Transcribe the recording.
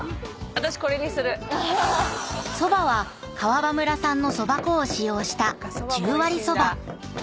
［そばは川場村産のそば粉を使用した十割そば］